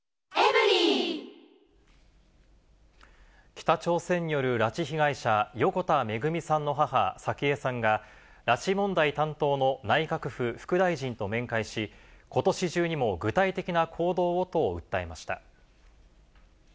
北朝鮮による拉致被害者、横田めぐみさんの母、早紀江さんが、拉致問題担当の内閣府副大臣と面会し、ことし中にも具体的な行動をと訴えました。